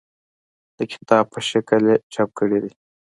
د کتاب په شکل یې چاپ کړي دي.